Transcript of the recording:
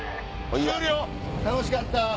楽しかった。